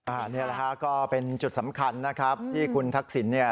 อันนี้แหละฮะก็เป็นจุดสำคัญนะครับที่คุณทักษิณเนี่ย